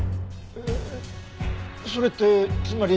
えっそれってつまり。